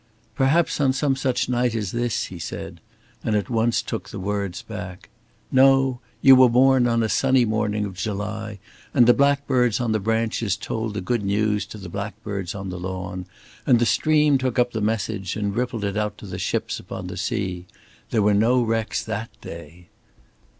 "Perhaps on some such night as this," he said, and at once took the words back. "No! You were born on a sunny morning of July and the blackbirds on the branches told the good news to the blackbirds on the lawn, and the stream took up the message and rippled it out to the ships upon the sea. There were no wrecks that day."